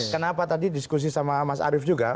kenapa tadi diskusi sama mas arief juga